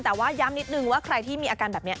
แต่ว่าย้ำนิดนึงว่าใครที่มีอาการแบบนี้